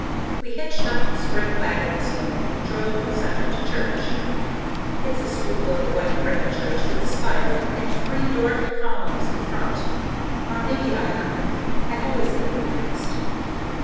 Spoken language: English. We hitched up the spring wagon this morning and drove to the Centre to church. It's a sweet little white frame church with a spire and three Doric columns in front (or maybe Ionic I always get them mixed).